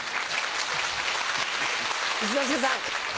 一之輔さん。